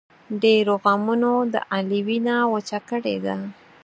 ډېرو غمونو د علي وینه وچه کړې ده.